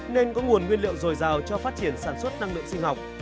nên có nguồn nguyên liệu dồi dào cho phát triển sản xuất năng lượng sinh học